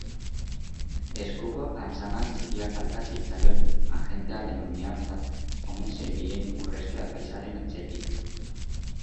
Eskuko atzamar txikia falta zitzaion agente alemaniar bat omen zebilen Urresti apaizaren atzetik.